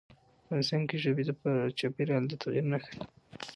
افغانستان کې ژبې د چاپېریال د تغیر نښه ده.